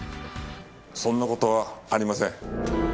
そんな事はありません。